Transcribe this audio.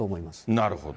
なるほど。